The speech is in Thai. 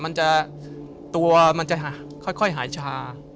มันจะตัวมันจะค่อยหายชา